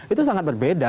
itu sangat berbeda